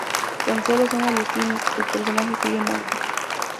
Tan sólo son alucinaciones, el personaje sigue muerto.